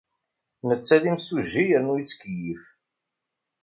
Netta d imsujji yernu yettkeyyif.